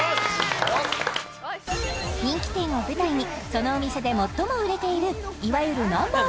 人気店を舞台にそのお店で最も売れているいわゆるＮｏ．１